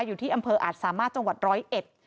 อยู่ที่อำเภออาจสามารถจังหวัดร้อยเอ็ด